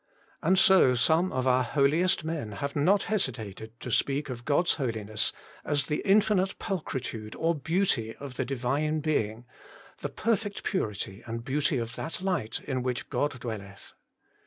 And so some of our holiest men have not hesitated to speak of God's Holiness as the infinite Pulchritude or Beauty of the Divine Being, the Perfect Purity and Beauty of that Light in which God dwelleth.